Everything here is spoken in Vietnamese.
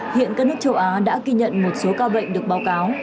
hiện các nước châu á đã ghi nhận một số ca bệnh được báo cáo